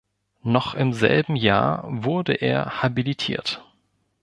Noch im selben Jahr wurde er habilitiert.